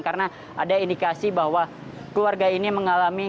karena ada indikasi bahwa keluarga ini mengalami